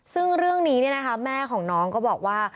ซึ่งเรื่องนี้แม่ของน้องก็บอกว่า